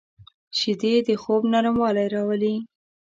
شیدې د خوب نرموالی راولي